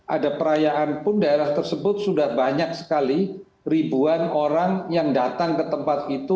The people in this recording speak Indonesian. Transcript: ada perayaan pun daerah tersebut sudah banyak sekali ribuan orang yang datang ke tempat itu